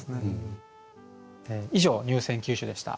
以上入選九首でした。